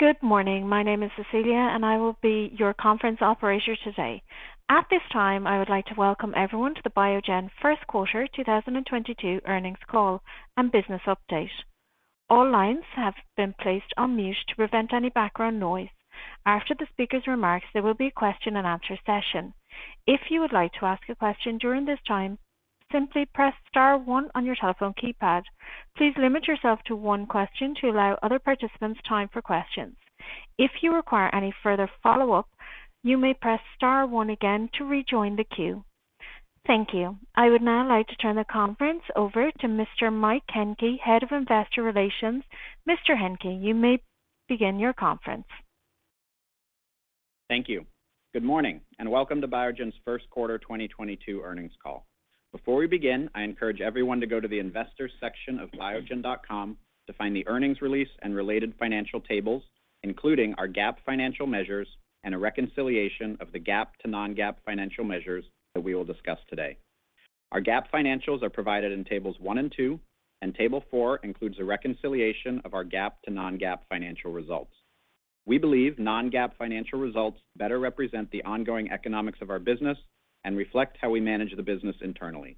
Good morning. My name is Cecilia, and I will be your conference operator today. At this time, I would like to welcome everyone to the Biogen first quarter 2022 earnings call and business update. All lines have been placed on mute to prevent any background noise. After the speaker's remarks, there will be a question and answer session. If you would like to ask a question during this time, simply press star one on your telephone keypad. Please limit yourself to one question to allow other participants time for questions. If you require any further follow-up, you may press star one again to rejoin the queue. Thank you. I would now like to turn the conference over to Mr. Michael Hencke, Head of Investor Relations. Mr. Hencke, you may begin your conference. Thank you. Good morning, and welcome to Biogen's first quarter 2022 earnings call. Before we begin, I encourage everyone to go to the investors section of biogen.com to find the earnings release and related financial tables, including our GAAP financial measures and a reconciliation of the GAAP to non-GAAP financial measures that we will discuss today. Our GAAP financials are provided in tables one and two, and table four includes a reconciliation of our GAAP to non-GAAP financial results. We believe non-GAAP financial results better represent the ongoing economics of our business and reflect how we manage the business internally.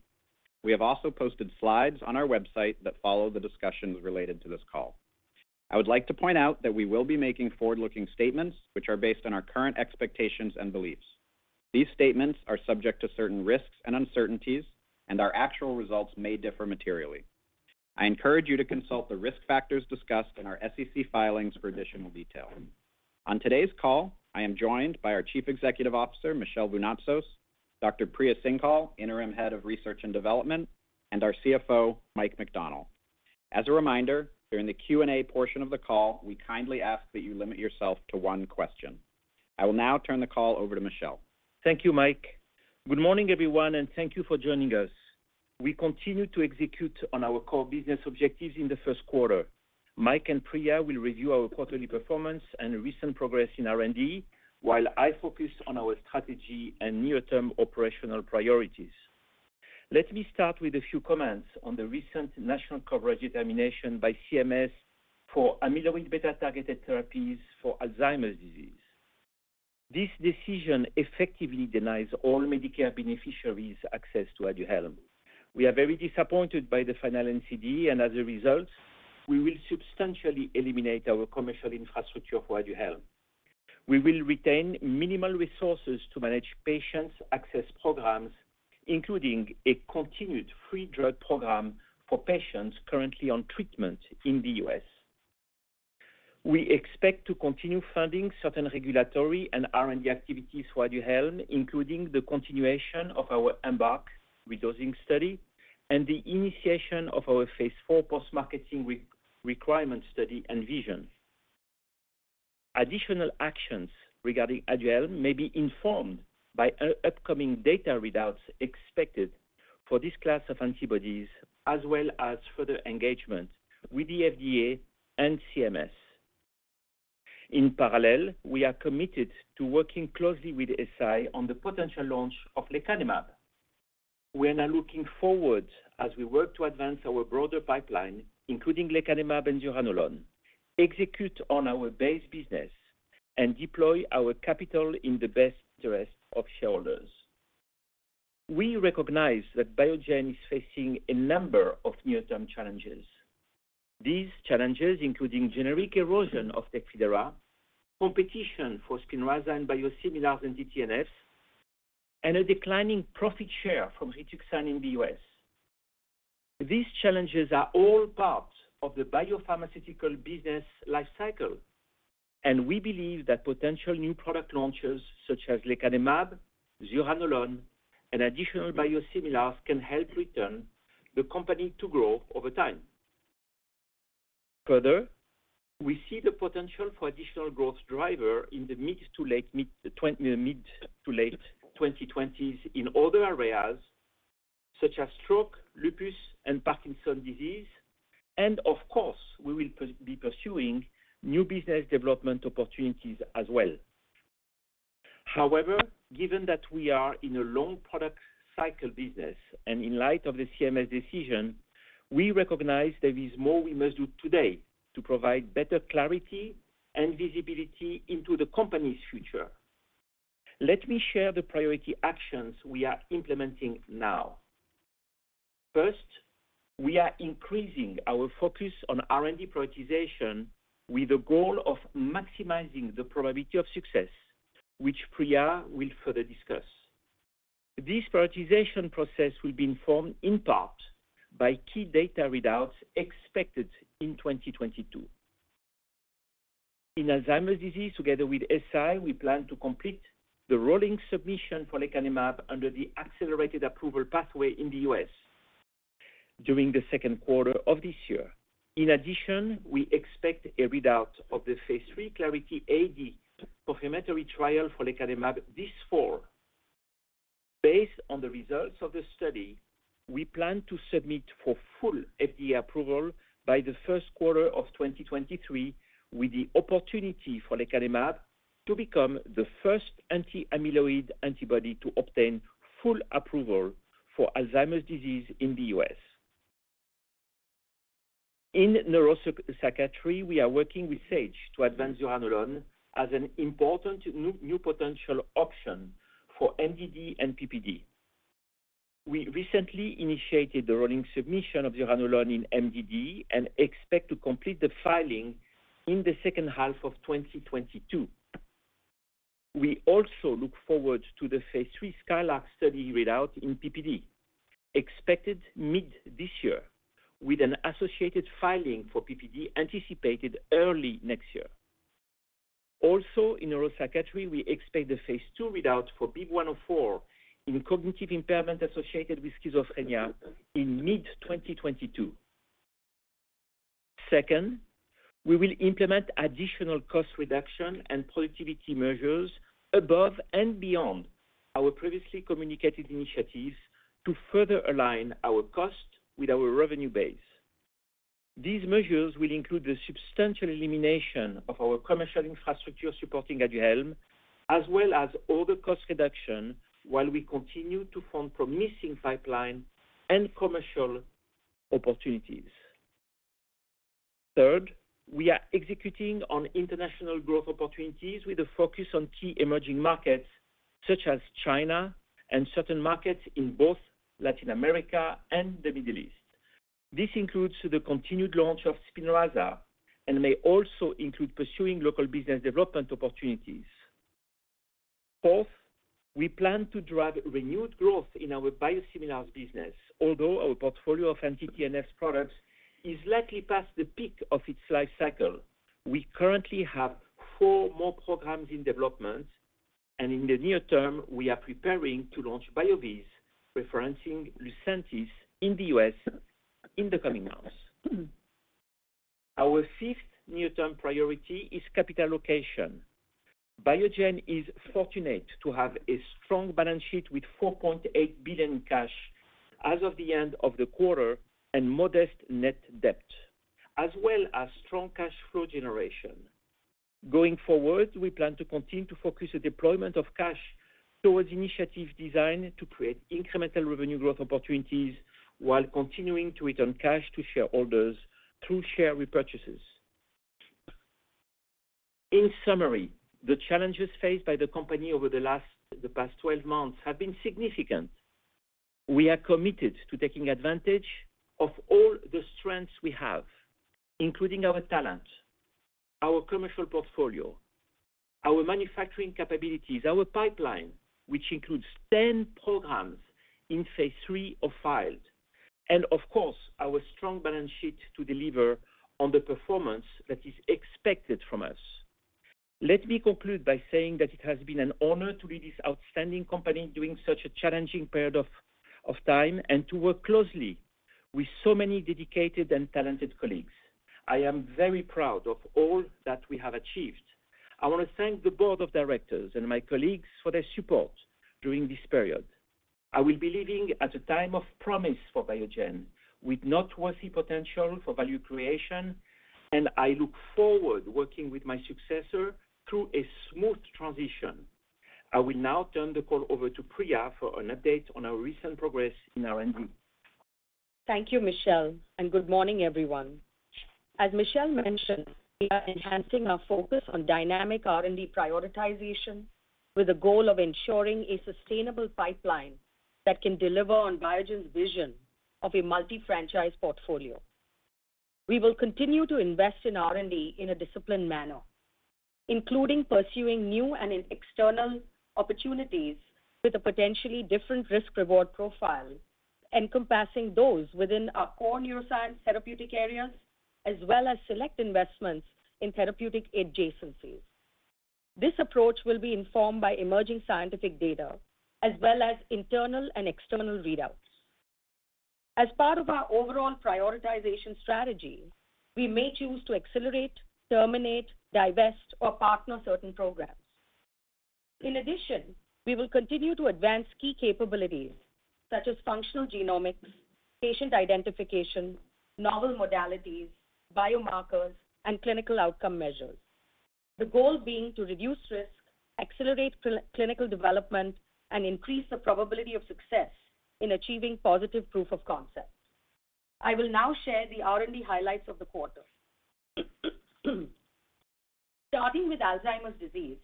We have also posted slides on our website that follow the discussions related to this call. I would like to point out that we will be making forward-looking statements which are based on our current expectations and beliefs. These statements are subject to certain risks and uncertainties, and our actual results may differ materially. I encourage you to consult the risk factors discussed in our SEC filings for additional detail. On today's call, I am joined by our Chief Executive Officer, Michel Vounatsos, Dr. Priya Singhal, Interim Head of Research and Development, and our CFO, Michael McDonnell. As a reminder, during the Q&A portion of the call, we kindly ask that you limit yourself to one question. I will now turn the call over to Michel. Thank you, Mike. Good morning, everyone, and thank you for joining us. We continue to execute on our core business objectives in the first quarter. Mike and Priya will review our quarterly performance and recent progress in R&D while I focus on our strategy and near-term operational priorities. Let me start with a few comments on the recent national coverage determination by CMS for amyloid beta-targeted therapies for Alzheimer's disease. This decision effectively denies all Medicare beneficiaries access to Aduhelm. We are very disappointed by the final NCD, and as a result, we will substantially eliminate our commercial infrastructure for Aduhelm. We will retain minimal resources to manage patients' access programs, including a continued free drug program for patients currently on treatment in the U.S. We expect to continue funding certain regulatory and R&D activities for Aduhelm, including the continuation of our EMBARK re-dosing study and the initiation of our phase 4 post-marketing requirement study, ENVISION. Additional actions regarding Aduhelm may be informed by upcoming data readouts expected for this class of antibodies, as well as further engagement with the FDA and CMS. In parallel, we are committed to working closely with Eisai on the potential launch of lecanemab. We are now looking forward as we work to advance our broader pipeline, including lecanemab and zuranolone, execute on our base business and deploy our capital in the best interest of shareholders. We recognize that Biogen is facing a number of near-term challenges. These challenges, including generic erosion of Tecfidera, competition for Spinraza and biosimilars in anti-TNF, and a declining profit share from Rituxan in the U.S. These challenges are all part of the biopharmaceutical business life cycle, and we believe that potential new product launches such as lecanemab, zuranolone and additional biosimilars can help return the company to grow over time. Further, we see the potential for additional growth driver in the mid- to late twenties in other areas such as stroke, lupus, and Parkinson's disease. Of course, we will be pursuing new business development opportunities as well. However, given that we are in a long product cycle business and in light of the CMS decision, we recognize there is more we must do today to provide better clarity and visibility into the company's future. Let me share the priority actions we are implementing now. First, we are increasing our focus on R&D prioritization with the goal of maximizing the probability of success, which Priya will further discuss. This prioritization process will be informed in part by key data readouts expected in 2022. In Alzheimer's disease, together with Eisai, we plan to complete the rolling submission for lecanemab under the accelerated approval pathway in the U.S. during the second quarter of this year. In addition, we expect a readout of the phase 3 Clarity AD confirmatory trial for lecanemab this fall. Based on the results of the study, we plan to submit for full FDA approval by the first quarter of 2023, with the opportunity for lecanemab to become the first anti-amyloid antibody to obtain full approval for Alzheimer's disease in the U.S. In neuropsychiatry, we are working with Sage to advance zuranolone as an important new potential option for MDD and PPD. We recently initiated the rolling submission of zuranolone in MDD and expect to complete the filing in the second half of 2022. We also look forward to the phase 3 SKYLARK study readout in PPD expected mid this year, with an associated filing for PPD anticipated early next year. Also, in neuropsychiatry, we expect the phase 2 readout for BIIB104 in cognitive impairment associated with schizophrenia in mid-2022. Second, we will implement additional cost reduction and productivity measures above and beyond our previously communicated initiatives to further align our cost with our revenue base. These measures will include the substantial elimination of our commercial infrastructure supporting Aduhelm, as well as other cost reduction while we continue to fund promising pipeline and commercial opportunities. Third, we are executing on international growth opportunities with a focus on key emerging markets such as China and certain markets in both Latin America and the Middle East. This includes the continued launch of Spinraza and may also include pursuing local business development opportunities. Fourth, we plan to drive renewed growth in our biosimilars business. Although our portfolio of anti-TNF products is likely past the peak of its life cycle, we currently have 4 more programs in development, and in the near term, we are preparing to launch BYOOVIZ, referencing Lucentis in the US in the coming months. Our fifth near-term priority is capital allocation. Biogen is fortunate to have a strong balance sheet with $4.8 billion cash as of the end of the quarter and modest net debt, as well as strong cash flow generation. Going forward, we plan to continue to focus the deployment of cash towards initiatives designed to create incremental revenue growth opportunities while continuing to return cash to shareholders through share repurchases. In summary, the challenges faced by the company over the past 12 months have been significant. We are committed to taking advantage of all the strengths we have, including our talent, our commercial portfolio, our manufacturing capabilities, our pipeline, which includes 10 programs in phase 3 or filed, and of course, our strong balance sheet to deliver on the performance that is expected from us. Let me conclude by saying that it has been an honor to lead this outstanding company during such a challenging period of time, and to work closely with so many dedicated and talented colleagues. I am very proud of all that we have achieved. I want to thank the board of directors and my colleagues for their support during this period. I will be leaving at a time of promise for Biogen with noteworthy potential for value creation, and I look forward working with my successor through a smooth transition. I will now turn the call over to Priya for an update on our recent progress in R&D. Thank you, Michel, and good morning, everyone. As Michel mentioned, we are enhancing our focus on dynamic R&D prioritization with the goal of ensuring a sustainable pipeline that can deliver on Biogen's vision of a multi-franchise portfolio. We will continue to invest in R&D in a disciplined manner, including pursuing new and innovative external opportunities with a potentially different risk-reward profile, encompassing those within our core neuroscience therapeutic areas, as well as select investments in therapeutic adjacencies. This approach will be informed by emerging scientific data as well as internal and external readouts. As part of our overall prioritization strategy, we may choose to accelerate, terminate, divest, or partner certain programs. In addition, we will continue to advance key capabilities such as functional genomics, patient identification, novel modalities, biomarkers, and clinical outcome measures. The goal being to reduce risk, accelerate clinical development, and increase the probability of success in achieving positive proof of concept. I will now share the R&D highlights of the quarter. Starting with Alzheimer's disease,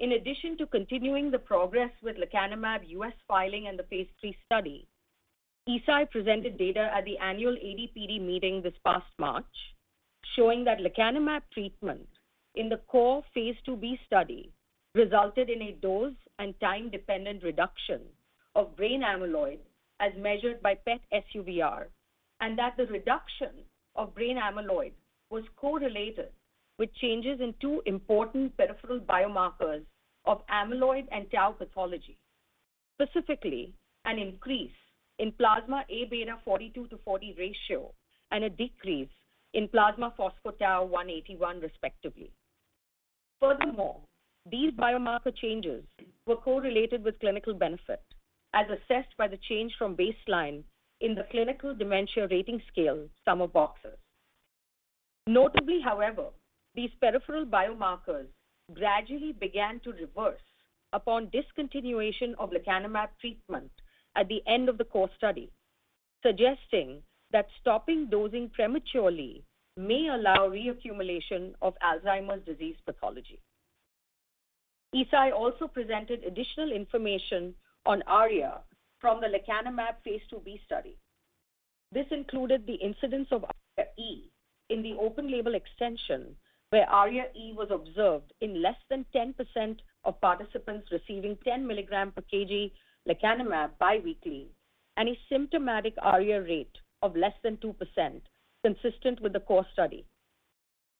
in addition to continuing the progress with lecanemab U.S. filing and the phase 3 study, Eisai presented data at the annual AD/PD meeting this past March, showing that lecanemab treatment in the core phase 2b study resulted in a dose and time-dependent reduction of brain amyloid as measured by PET SUVR, and that the reduction of brain amyloid was correlated with changes in two important peripheral biomarkers of amyloid and tau pathology. Specifically, an increase in plasma Abeta 42/40 ratio and a decrease in plasma phospho-tau181, respectively. Furthermore, these biomarker changes were correlated with clinical benefit, as assessed by the change from baseline in the Clinical Dementia Rating Sum of Boxes. Notably, however, these peripheral biomarkers gradually began to reverse upon discontinuation of lecanemab treatment at the end of the core study, suggesting that stopping dosing prematurely may allow reaccumulation of Alzheimer's disease pathology. Eisai also presented additional information on ARIA from the lecanemab phase 2b study. This included the incidence of ARIA-E in the open-label extension, where ARIA-E was observed in less than 10% of participants receiving 10 mg/kg lecanemab biweekly and a symptomatic ARIA rate of less than 2% consistent with the core study.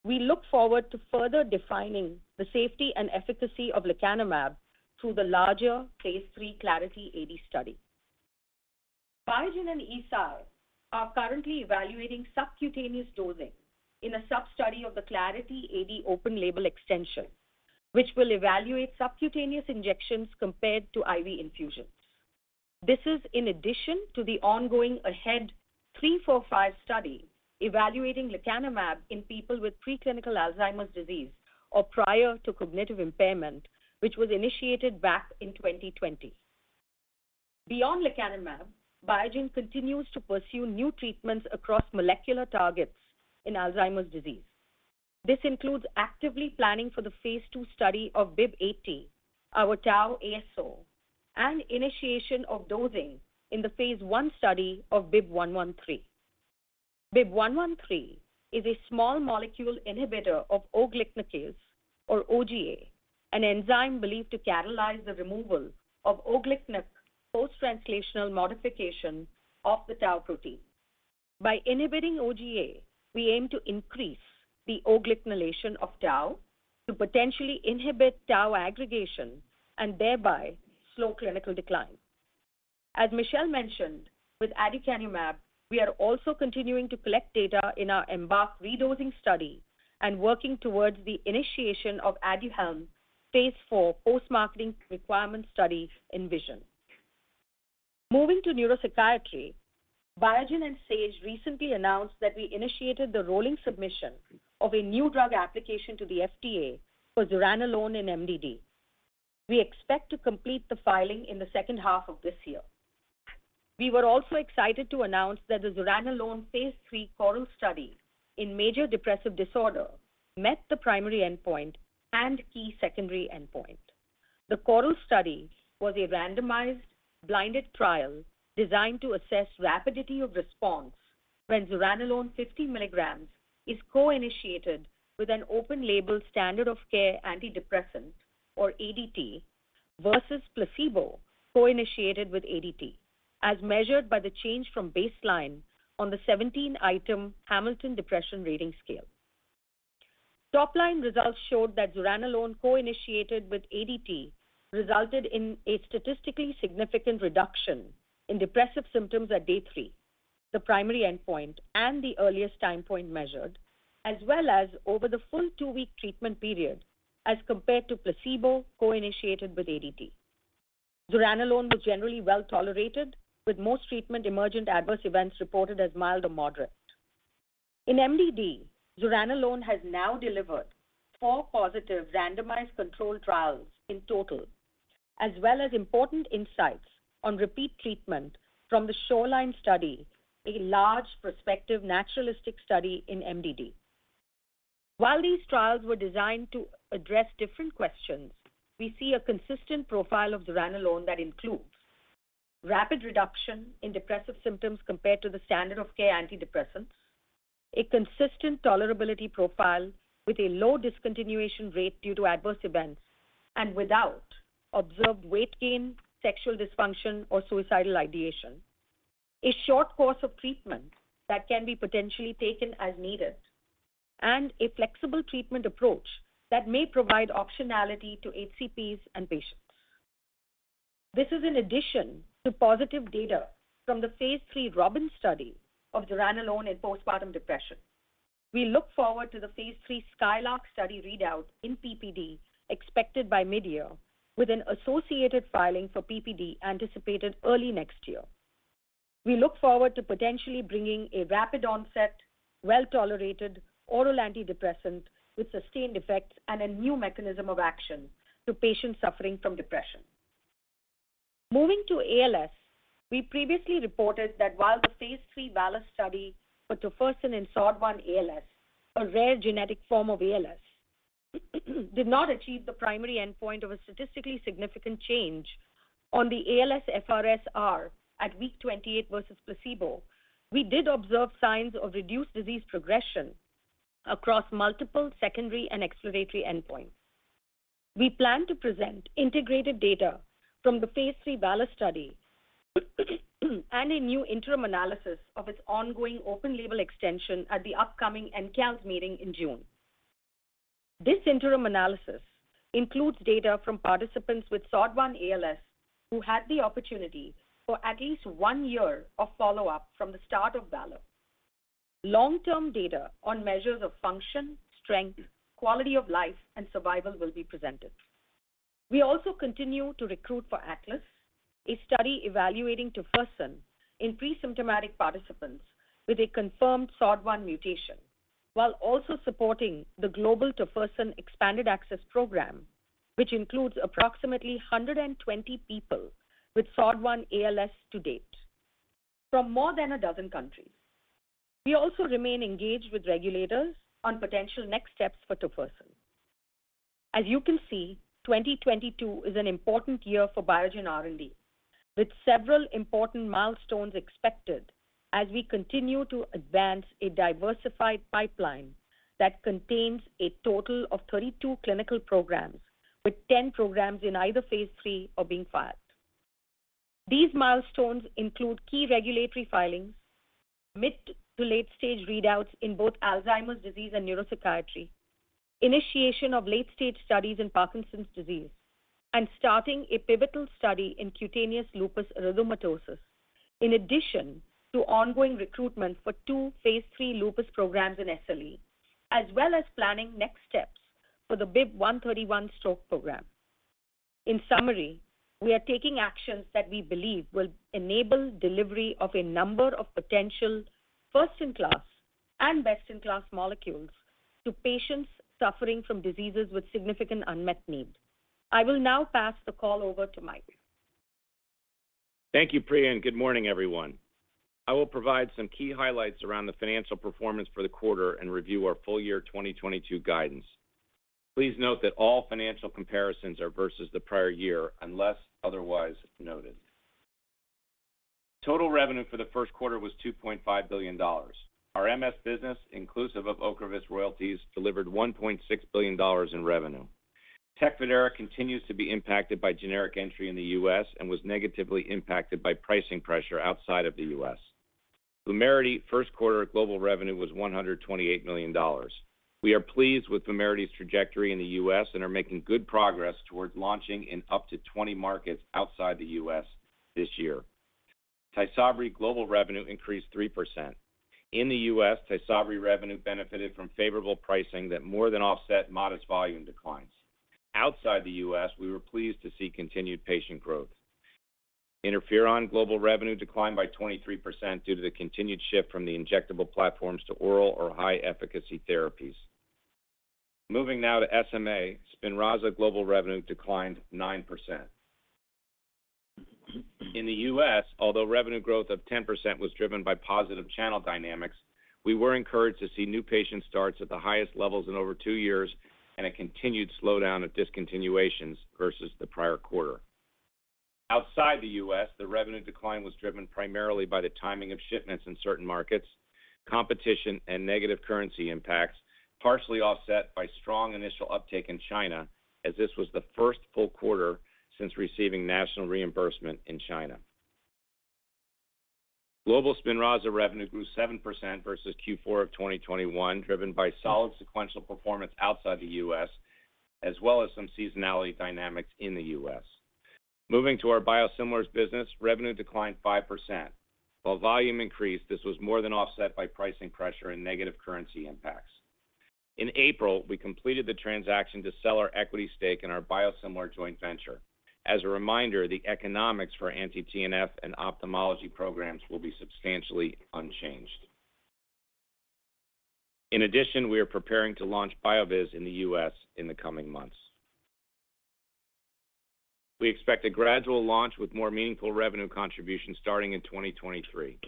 We look forward to further defining the safety and efficacy of lecanemab through the larger phase 3 Clarity AD study. Biogen and Eisai are currently evaluating subcutaneous dosing in a sub-study of the Clarity AD open label extension, which will evaluate subcutaneous injections compared to IV infusions. This is in addition to the ongoing AHEAD 3-45 study evaluating lecanemab in people with preclinical Alzheimer's disease or prior to cognitive impairment, which was initiated back in 2020. Beyond lecanemab, Biogen continues to pursue new treatments across molecular targets in Alzheimer's disease. This includes actively planning for the phase 2 study of BIIB080, our tau ASO, and initiation of dosing in the phase 1 study of BIIB113. BIIB113 is a small molecule inhibitor of O-GlcNAcase or OGA, an enzyme believed to catalyze the removal of O-GlcNAc post-translational modification of the tau protein. By inhibiting OGA, we aim to increase the O-GlcNAcylation of tau to potentially inhibit tau aggregation and thereby slow clinical decline. As Michel mentioned, with aducanumab, we are also continuing to collect data in our EMBARK redosing study and working towards the initiation of Aduhelm phase 4 post-marketing requirement studies in ENVISION. Moving to neuropsychiatry, Biogen and Sage recently announced that we initiated the rolling submission of a new drug application to the FDA for zuranolone in MDD. We expect to complete the filing in the second half of this year. We were also excited to announce that the zuranolone phase 3 CORAL study in major depressive disorder met the primary endpoint and key secondary endpoint. The CORAL study was a randomized, blinded trial designed to assess rapidity of response when zuranolone 50 milligrams is co-initiated with an open-label standard of care antidepressant or ADT versus placebo co-initiated with ADT, as measured by the change from baseline on the 17-item Hamilton Depression Rating Scale. Top-line results showed that zuranolone co-initiated with ADT resulted in a statistically significant reduction in depressive symptoms at day three, the primary endpoint, and the earliest time point measured, as well as over the full two-week treatment period as compared to placebo co-initiated with ADT. Zuranolone was generally well-tolerated, with most treatment-emergent adverse events reported as mild or moderate. In MDD, zuranolone has now delivered four positive randomized controlled trials in total, as well as important insights on repeat treatment from the Shoreline study, a large prospective naturalistic study in MDD. While these trials were designed to address different questions, we see a consistent profile of zuranolone that includes rapid reduction in depressive symptoms compared to the standard of care antidepressants. A consistent tolerability profile with a low discontinuation rate due to adverse events and without observed weight gain, sexual dysfunction, or suicidal ideation. A short course of treatment that can be potentially taken as needed, and a flexible treatment approach that may provide optionality to HCPs and patients. This is in addition to positive data from the phase 3 ROBIN study of zuranolone in postpartum depression. We look forward to the phase 3 SKYLARK study readout in PPD expected by mid-year, with an associated filing for PPD anticipated early next year. We look forward to potentially bringing a rapid onset, well-tolerated oral antidepressant with sustained effects and a new mechanism of action to patients suffering from depression. Moving to ALS, we previously reported that while the phase 3 VALOR study for tofersen in SOD1 ALS, a rare genetic form of ALS, did not achieve the primary endpoint of a statistically significant change on the ALSFRS-R at week 28 versus placebo. We did observe signs of reduced disease progression across multiple secondary and exploratory endpoints. We plan to present integrated data from the phase 3 VALOR study and a new interim analysis of its ongoing open-label extension at the upcoming NEALS meeting in June. This interim analysis includes data from participants with SOD1-ALS who had the opportunity for at least one year of follow-up from the start of VALOR. Long-term data on measures of function, strength, quality of life, and survival will be presented. We also continue to recruit for ATLAS, a study evaluating tofersen in pre-symptomatic participants with a confirmed SOD1 mutation, while also supporting the global tofersen expanded access program, which includes approximately 120 people with SOD1-ALS to date from more than a dozen countries. We also remain engaged with regulators on potential next steps for tofersen. As you can see, 2022 is an important year for Biogen R&D, with several important milestones expected as we continue to advance a diversified pipeline that contains a total of 32 clinical programs, with 10 programs in either phase 3 or being filed. These milestones include key regulatory filings, mid to late-stage readouts in both Alzheimer's disease and neuropsychiatry, initiation of late-stage studies in Parkinson's disease, and starting a pivotal study in cutaneous lupus erythematosus, in addition to ongoing recruitment for two phase 3 lupus programs in SLE, as well as planning next steps for the BIIB131 stroke program. In summary, we are taking actions that we believe will enable delivery of a number of potential first-in-class and best-in-class molecules to patients suffering from diseases with significant unmet need. I will now pass the call over to Mike. Thank you, Priya, and good morning, everyone. I will provide some key highlights around the financial performance for the quarter and review our full year 2022 guidance. Please note that all financial comparisons are versus the prior year, unless otherwise noted. Total revenue for the first quarter was $2.5 billion. Our MS business, inclusive of Ocrevus royalties, delivered $1.6 billion in revenue. Tecfidera continues to be impacted by generic entry in the US and was negatively impacted by pricing pressure outside of the US. Vumerity first quarter global revenue was $128 million. We are pleased with Vumerity's trajectory in the US and are making good progress towards launching in up to 20 markets outside of the US this year. Tysabri global revenue increased 3%. In the U.S., TYSABRI revenue benefited from favorable pricing that more than offset modest volume declines. Outside the U.S., we were pleased to see continued patient growth. Interferon global revenue declined by 23% due to the continued shift from the injectable platforms to oral or high-efficacy therapies. Moving now to SMA, Spinraza global revenue declined 9%. In the U.S., although revenue growth of 10% was driven by positive channel dynamics, we were encouraged to see new patient starts at the highest levels in over two years and a continued slowdown of discontinuations versus the prior quarter. Outside the U.S., the revenue decline was driven primarily by the timing of shipments in certain markets, competition, and negative currency impacts, partially offset by strong initial uptake in China as this was the first full quarter since receiving national reimbursement in China. Global Spinraza revenue grew 7% versus Q4 of 2021, driven by solid sequential performance outside the US, as well as some seasonality dynamics in the US. Moving to our biosimilars business, revenue declined 5%. While volume increased, this was more than offset by pricing pressure and negative currency impacts. In April, we completed the transaction to sell our equity stake in our biosimilar joint venture. As a reminder, the economics for anti-TNF and ophthalmology programs will be substantially unchanged. In addition, we are preparing to launch BYOOVIZ in the US in the coming months. We expect a gradual launch with more meaningful revenue contribution starting in 2023.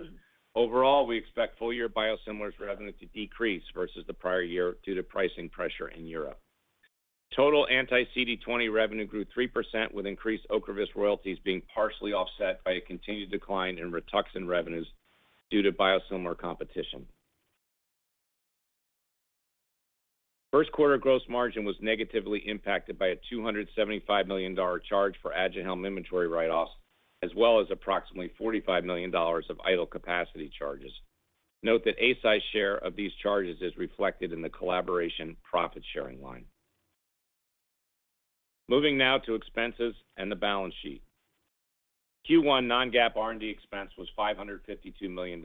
Overall, we expect full-year biosimilars revenue to decrease versus the prior year due to pricing pressure in Europe. Total anti-CD20 revenue grew 3%, with increased Ocrevus royalties being partially offset by a continued decline in Rituxan revenues due to biosimilar competition. First quarter gross margin was negatively impacted by a $275 million charge for Aduhelm inventory write-offs, as well as approximately $45 million of idle capacity charges. Note that Eisai's share of these charges is reflected in the collaboration profit sharing line. Moving now to expenses and the balance sheet. Q1 non-GAAP R&D expense was $552 million.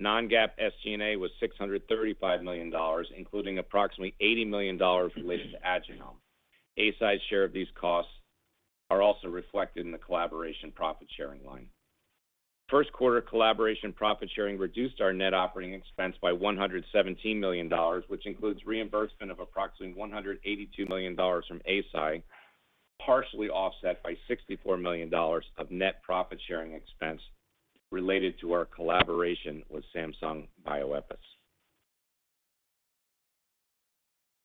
Non-GAAP SG&A was $635 million, including approximately $80 million related to Aduhelm. Eisai's share of these costs are also reflected in the collaboration profit sharing line. First quarter collaboration profit sharing reduced our net operating expense by $117 million, which includes reimbursement of approximately $182 million from Eisai, partially offset by $64 million of net profit sharing expense related to our collaboration with Samsung Bioepis.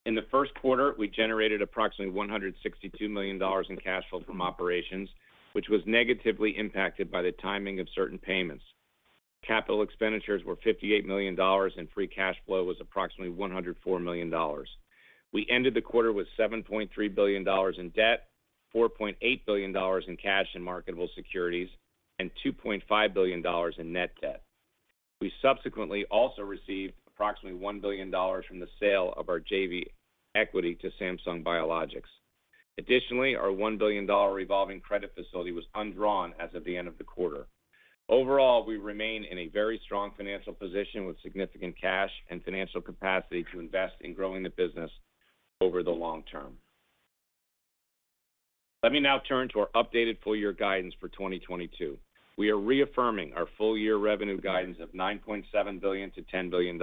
In the first quarter, we generated approximately $162 million in cash flow from operations, which was negatively impacted by the timing of certain payments. Capital expenditures were $58 million, and free cash flow was approximately $104 million. We ended the quarter with $7.3 billion in debt, $4.8 billion in cash and marketable securities, and $2.5 billion in net debt. We subsequently also received approximately $1 billion from the sale of our JV equity to Samsung Biologics. Additionally, our $1 billion revolving credit facility was undrawn as of the end of the quarter. Overall, we remain in a very strong financial position with significant cash and financial capacity to invest in growing the business over the long term. Let me now turn to our updated full-year guidance for 2022. We are reaffirming our full-year revenue guidance of $9.7 billion-$10 billion.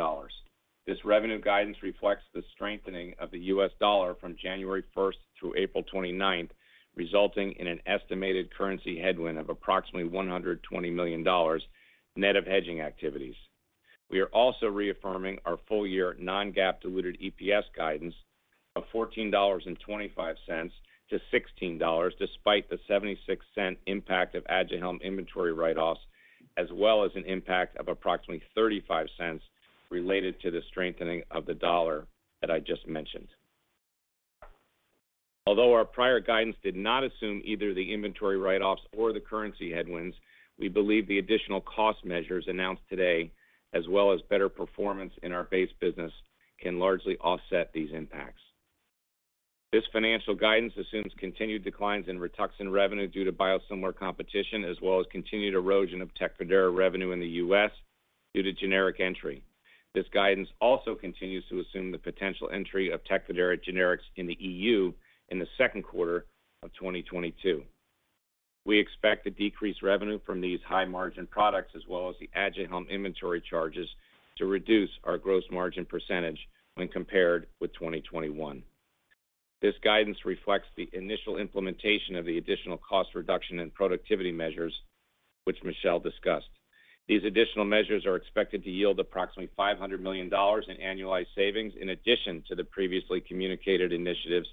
This revenue guidance reflects the strengthening of the U.S. dollar from January first through April twenty-ninth, resulting in an estimated currency headwind of approximately $120 million net of hedging activities. We are also reaffirming our full-year non-GAAP diluted EPS guidance of $14.25-$16, despite the $0.76 impact of Aduhelm inventory write-offs, as well as an impact of approximately $0.35 related to the strengthening of the dollar that I just mentioned. Although our prior guidance did not assume either the inventory write-offs or the currency headwinds, we believe the additional cost measures announced today, as well as better performance in our base business, can largely offset these impacts. This financial guidance assumes continued declines in Rituxan revenue due to biosimilar competition, as well as continued erosion of Tecfidera revenue in the U.S. due to generic entry. This guidance also continues to assume the potential entry of Tecfidera generics in the E.U. in the second quarter of 2022. We expect the decreased revenue from these high-margin products, as well as the Agile home inventory charges to reduce our gross margin percentage when compared with 2021. This guidance reflects the initial implementation of the additional cost reduction and productivity measures, which Michel discussed. These additional measures are expected to yield approximately $500 million in annualized savings, in addition to the previously communicated initiatives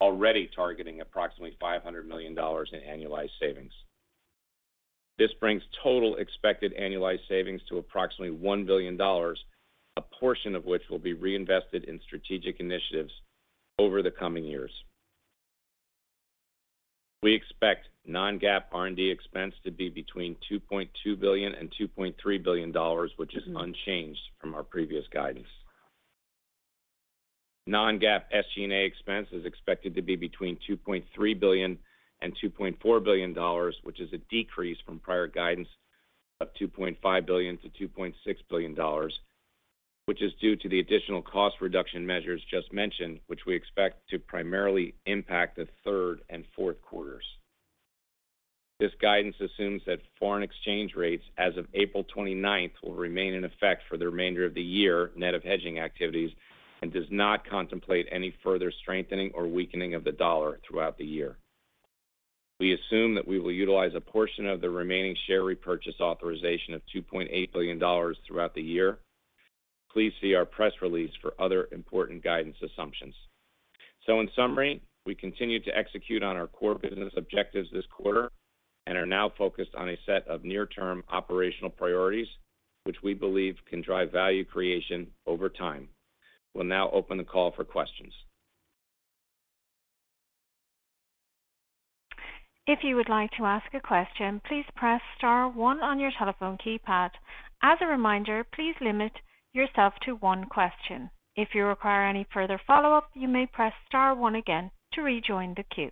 already targeting approximately $500 million in annualized savings. This brings total expected annualized savings to approximately $1 billion, a portion of which will be reinvested in strategic initiatives over the coming years. We expect non-GAAP R&D expense to be between $2.2 billion and $2.3 billion, which is unchanged from our previous guidance. Non-GAAP SG&A expense is expected to be between $2.3 billion and $2.4 billion, which is a decrease from prior guidance of $2.5 billion-$2.6 billion, which is due to the additional cost reduction measures just mentioned, which we expect to primarily impact the third and fourth quarters. This guidance assumes that foreign exchange rates as of April 29 will remain in effect for the remainder of the year, net of hedging activities, and does not contemplate any further strengthening or weakening of the dollar throughout the year. We assume that we will utilize a portion of the remaining share repurchase authorization of $2.8 billion throughout the year. Please see our press release for other important guidance assumptions. In summary, we continue to execute on our core business objectives this quarter and are now focused on a set of near-term operational priorities which we believe can drive value creation over time. We'll now open the call for questions. If you would like to ask a question, please press star one on your telephone keypad. As a reminder, please limit yourself to one question. If you require any further follow-up, you may press star one again to rejoin the queue.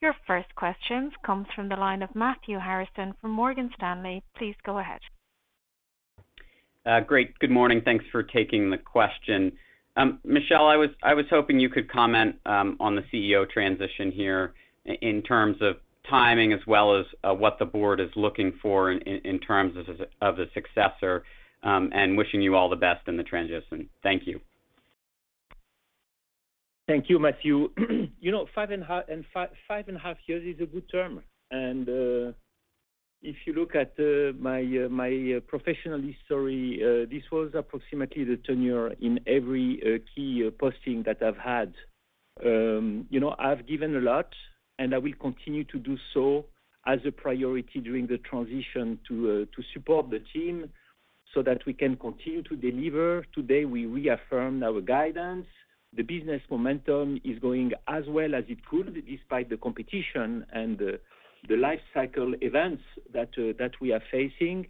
Your first question comes from the line of Matthew Harrison from Morgan Stanley. Please go ahead. Great. Good morning. Thanks for taking the question. Michel, I was hoping you could comment on the CEO transition here in terms of timing as well as what the board is looking for in terms of the successor, and wishing you all the best in the transition. Thank you. Thank you, Matthew. You know, 5.5 years is a good term. If you look at my professional history, this was approximately the tenure in every key posting that I've had. You know, I've given a lot, and I will continue to do so as a priority during the transition to support the team so that we can continue to deliver. Today, we reaffirmed our guidance. The business momentum is going as well as it could, despite the competition and the life cycle events that we are facing.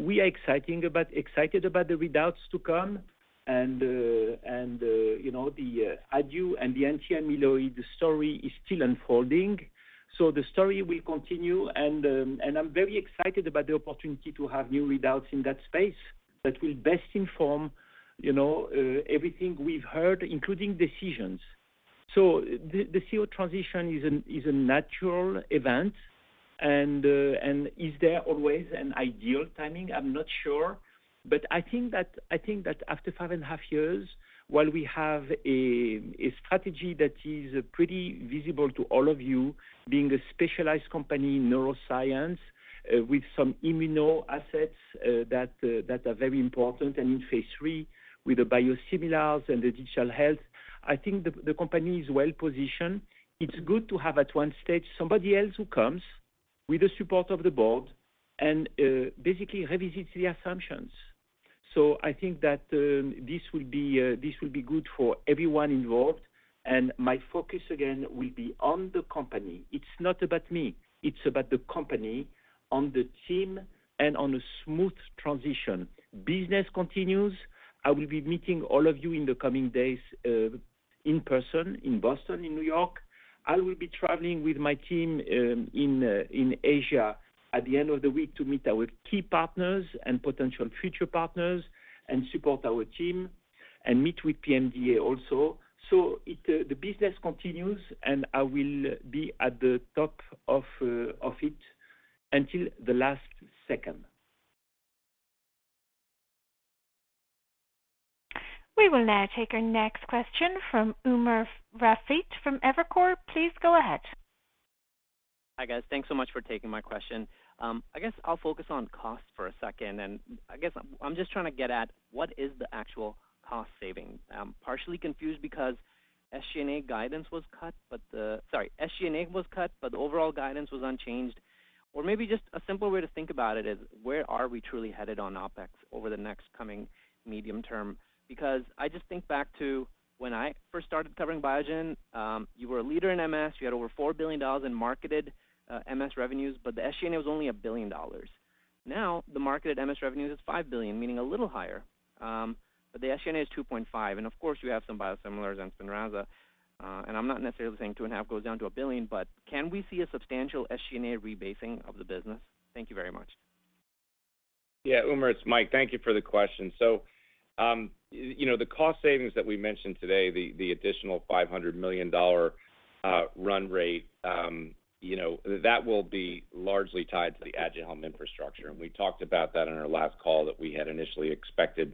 We are excited about the readouts to come and, you know, the Aduhelm and the anti-amyloid, the story is still unfolding. The story will continue and I'm very excited about the opportunity to have new readouts in that space that will best inform, you know, everything we've heard, including decisions. The CEO transition is a natural event and is there always an ideal timing? I'm not sure. I think that after five and a half years, while we have a strategy that is pretty visible to all of you being a specialized company in neuroscience, with some immuno assets, that are very important and in phase 3 with the biosimilars and the digital health, I think the company is well positioned. It's good to have at one stage somebody else who comes with the support of the board and basically revisits the assumptions. I think that this will be good for everyone involved. My focus again will be on the company. It's not about me, it's about the company, on the team, and on a smooth transition. Business continues. I will be meeting all of you in the coming days, in person in Boston, in New York. I will be traveling with my team in Asia at the end of the week to meet our key partners and potential future partners and support our team and meet with PMDA also. The business continues, and I will be at the top of it until the last second. We will now take our next question from Umer Raffat from Evercore. Please go ahead. Hi, guys. Thanks so much for taking my question. I guess I'll focus on cost for a second, and I guess I'm just trying to get at what is the actual cost saving? I'm partially confused because SG&A guidance was cut, but SG&A was cut, but the overall guidance was unchanged. Or maybe just a simpler way to think about it is where are we truly headed on OpEx over the next coming medium term? Because I just think back to when I first started covering Biogen, you were a leader in MS. You had over $4 billion in marketed MS revenues, but the SG&A was only $1 billion. Now, the marketed MS revenues is $5 billion, meaning a little higher, but the SG&A is $2.5 billion. Of course, you have some biosimilars and Spinraza, and I'm not necessarily saying $2.5 billion goes down to $1 billion, but can we see a substantial SG&A rebasing of the business? Thank you very much. Yeah, Umer, it's Mike. Thank you for the question. You know, the cost savings that we mentioned today, the additional $500 million run rate, you know, that will be largely tied to the Aduhelm infrastructure. We talked about that in our last call that we had initially expected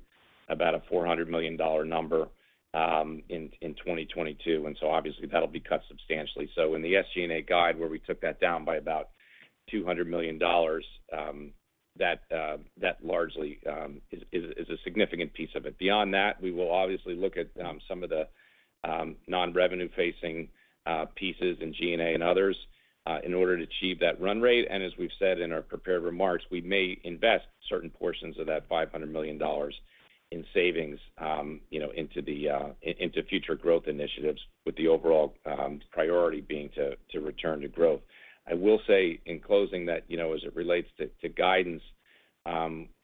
about a $400 million number in 2022. Obviously, that'll be cut substantially. In the SG&A guide where we took that down by about $200 million, that largely is a significant piece of it. Beyond that, we will obviously look at some of the non-revenue facing pieces in G&A and others in order to achieve that run rate. As we've said in our prepared remarks, we may invest certain portions of that $500 million in savings, you know, into future growth initiatives with the overall priority being to return to growth. I will say in closing that, you know, as it relates to guidance,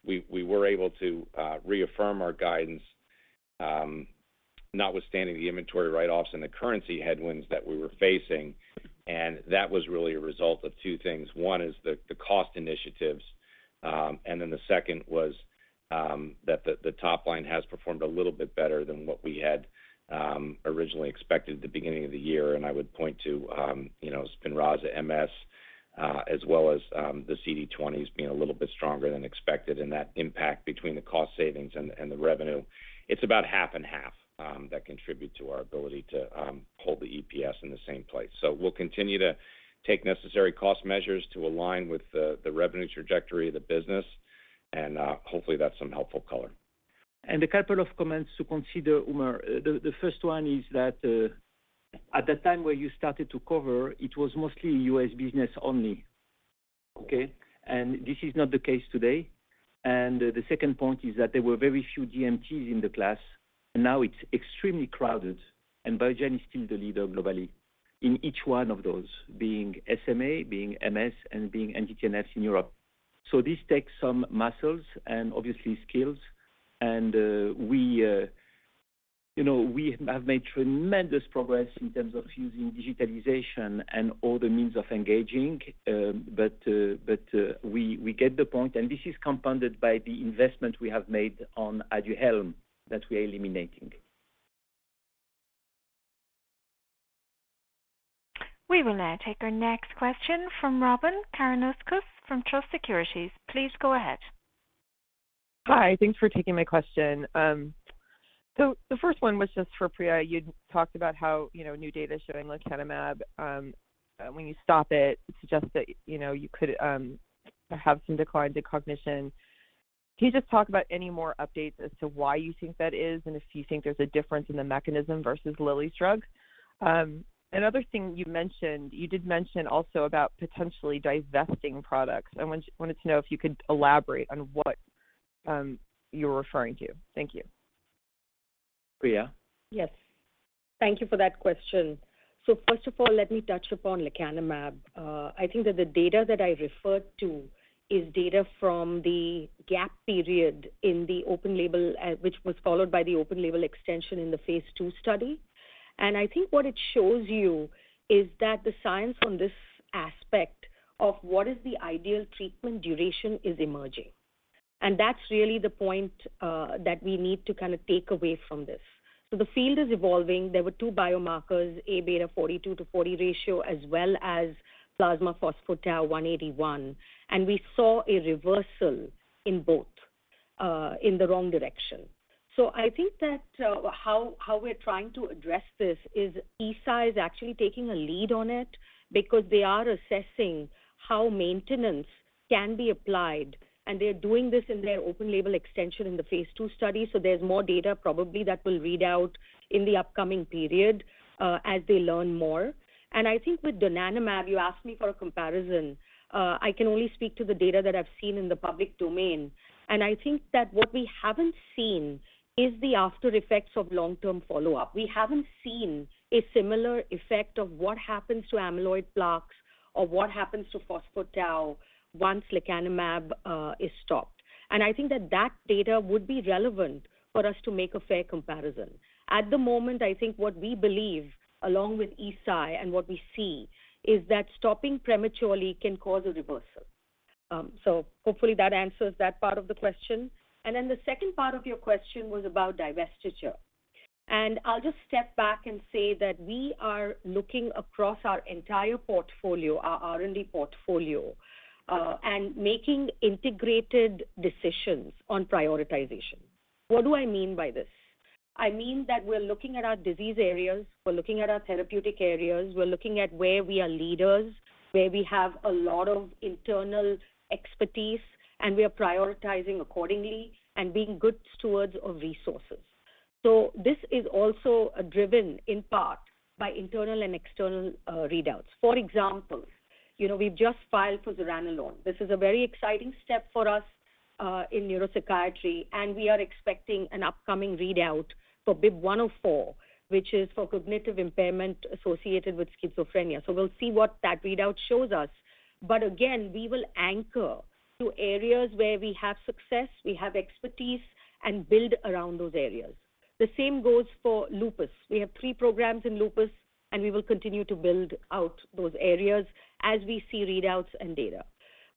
we were able to reaffirm our guidance, notwithstanding the inventory write-offs and the currency headwinds that we were facing, and that was really a result of two things. One is the cost initiatives, and then the second was that the top line has performed a little bit better than what we had originally expected at the beginning of the year. I would point to, you know, Spinraza MS, as well as the CD20s being a little bit stronger than expected. That impact between the cost savings and the revenue, it's about half and half that contribute to our ability to hold the EPS in the same place. We'll continue to take necessary cost measures to align with the revenue trajectory of the business, and hopefully that's some helpful color. A couple of comments to consider, Umer. The first one is that at the time where you started to cover, it was mostly U.S. business only, okay? This is not the case today. The second point is that there were very few DMTs in the class, and now it's extremely crowded, and Biogen is still the leader globally in each one of those, being SMA, being MS, and being anti-TNFs in Europe. This takes some muscles and obviously skills. We, you know, we have made tremendous progress in terms of using digitization and other means of engaging, but we get the point. This is compounded by the investment we have made on Aduhelm that we are eliminating. We will now take our next question from Robyn Karnauskas from Truist Securities. Please go ahead. Hi. Thanks for taking my question. The first one was just for Priya. You talked about how, you know, new data showing lecanemab, when you stop it, suggests that, you know, you could have some decline to cognition. Can you just talk about any more updates as to why you think that is, and if you think there's a difference in the mechanism versus Eli Lilly's drug? Another thing you mentioned, you did mention also about potentially divesting products. I wanted to know if you could elaborate on what you were referring to. Thank you. Priya? Yes. Thank you for that question. First of all, let me touch upon lecanemab. I think that the data that I referred to is data from the gap period in the open label, which was followed by the open label extension in the phase 2 study. I think what it shows you is that the science on this aspect of what is the ideal treatment duration is emerging. That's really the point that we need to kind of take away from this. The field is evolving. There were two biomarkers, Abeta 42/40 ratio, as well as plasma phospho-tau181. We saw a reversal in both, in the wrong direction. I think that how we're trying to address this is Eisai is actually taking a lead on it because they are assessing how maintenance can be applied, and they're doing this in their open-label extension in the phase 2 study. There's more data probably that will read out in the upcoming period, as they learn more. I think with donanemab, you asked me for a comparison. I can only speak to the data that I've seen in the public domain. I think that what we haven't seen is the after effects of long-term follow-up. We haven't seen a similar effect of what happens to amyloid plaques or what happens to phospho-tau once lecanemab is stopped. I think that that data would be relevant for us to make a fair comparison. At the moment, I think what we believe along with Eisai and what we see is that stopping prematurely can cause a reversal. So hopefully that answers that part of the question. The second part of your question was about divestiture. I'll just step back and say that we are looking across our entire portfolio, our R&D portfolio, and making integrated decisions on prioritization. What do I mean by this? I mean that we're looking at our disease areas, we're looking at our therapeutic areas, we're looking at where we are leaders, where we have a lot of internal expertise, and we are prioritizing accordingly and being good stewards of resources. This is also driven in part by internal and external readouts. For example, you know, we've just filed for zuranolone. This is a very exciting step for us in neuropsychiatry, and we are expecting an upcoming readout for BIIB104, which is for cognitive impairment associated with schizophrenia. We'll see what that readout shows us. Again, we will anchor to areas where we have success, we have expertise, and build around those areas. The same goes for lupus. We have three programs in lupus, and we will continue to build out those areas as we see readouts and data.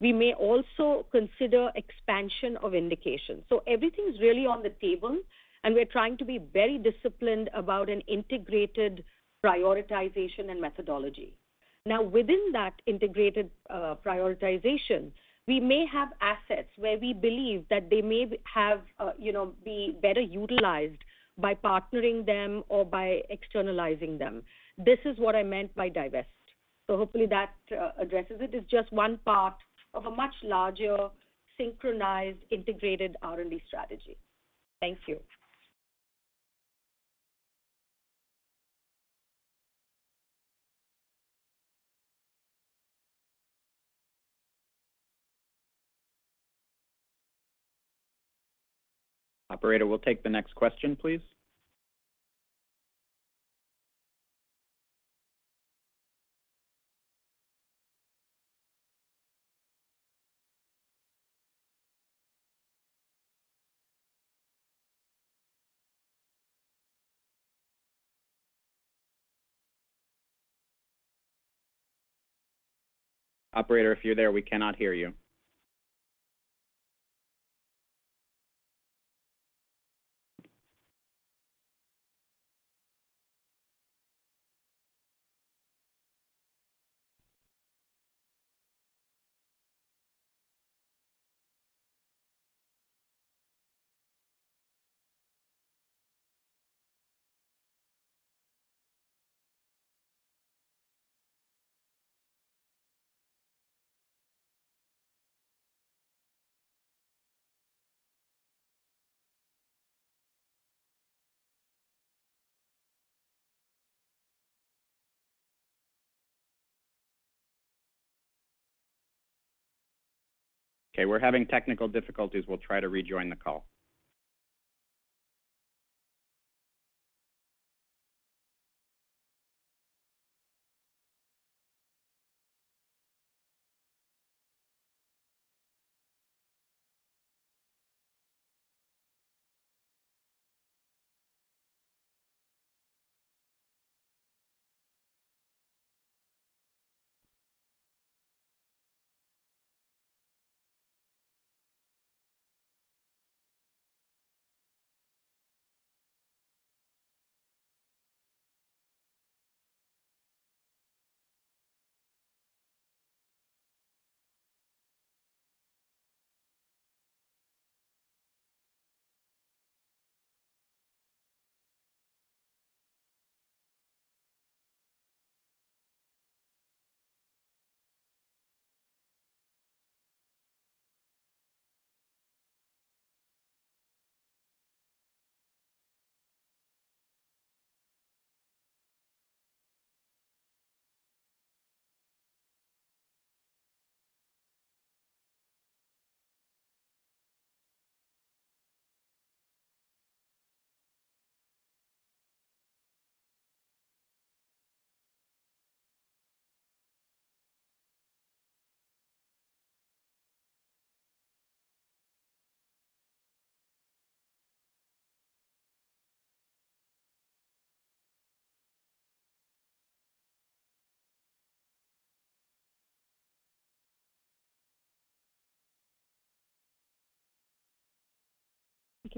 We may also consider expansion of indications. Everything's really on the table, and we're trying to be very disciplined about an integrated prioritization and methodology. Now, within that integrated prioritization, we may have assets where we believe that they may have, you know, be better utilized by partnering them or by externalizing them. This is what I meant by divest. Hopefully that addresses it. It's just one part of a much larger synchronized, integrated R&D strategy. Thank you. Operator, we'll take the next question, please. Operator, if you're there, we cannot hear you. Okay, we're having technical difficulties. We'll try to rejoin the call.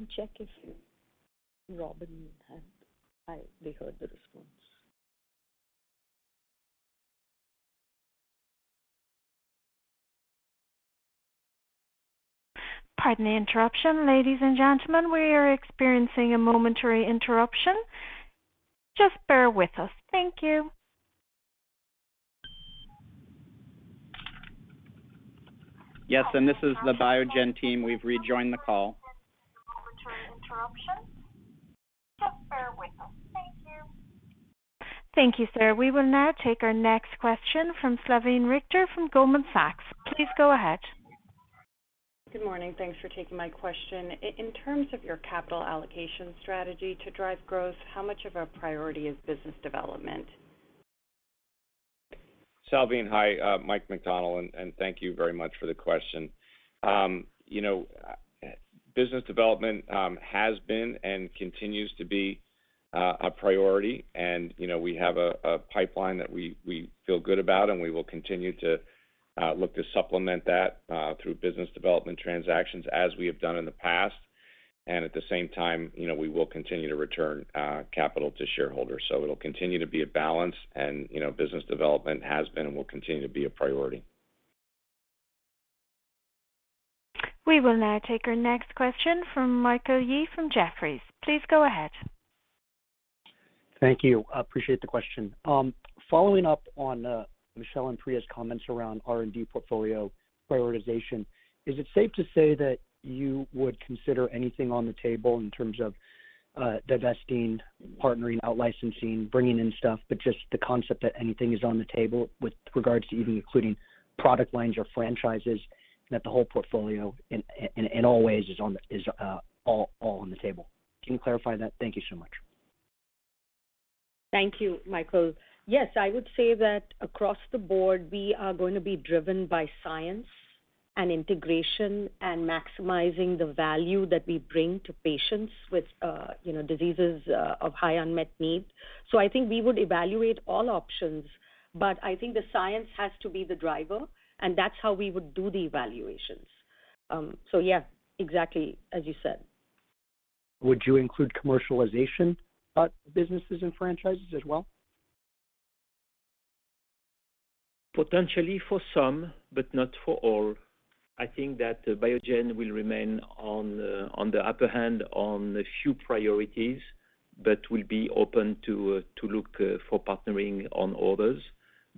We can check if Robyn had. We heard the response. Pardon the interruption, ladies and gentlemen. We are experiencing a momentary interruption. Just bear with us. Thank you. Yes, this is the Biogen team. We've rejoined the call. Thank you, sir. We will now take our next question from Salveen Richter from Goldman Sachs. Please go ahead. Good morning. Thanks for taking my question. In terms of your capital allocation strategy to drive growth, how much of a priority is business development? Salveen, hi, Michael McDonnell, and thank you very much for the question. You know, business development has been and continues to be A priority. You know, we have a pipeline that we feel good about, and we will continue to look to supplement that through business development transactions as we have done in the past. At the same time, you know, we will continue to return capital to shareholders. It'll continue to be a balance and, you know, business development has been and will continue to be a priority. We will now take our next question from Michael Yee from Jefferies. Please go ahead. Thank you. Appreciate the question. Following up on, Michel and Priya's comments around R&D portfolio prioritization, is it safe to say that you would consider anything on the table in terms of, divesting, partnering, out licensing, bringing in stuff, but just the concept that anything is on the table with regards to even including product lines or franchises, that the whole portfolio in all ways is all on the table? Can you clarify that? Thank you so much. Thank you, Michael. Yes, I would say that across the board, we are going to be driven by science and integration and maximizing the value that we bring to patients with, you know, diseases, of high unmet need. I think we would evaluate all options, but I think the science has to be the driver, and that's how we would do the evaluations. Yeah, exactly, as you said. Would you include commercialization, businesses and franchises as well? Potentially for some, but not for all. I think that Biogen will remain on the upper hand on a few priorities, but will be open to look for partnering on